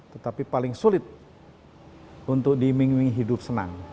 tetapi paling sulit untuk diming ming hidup senang